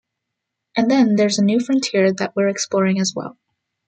And then, there's a new frontier that we're exploring, as well.